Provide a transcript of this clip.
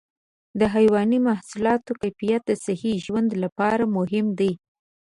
د حيواني محصولاتو کیفیت د صحي ژوند لپاره مهم دی.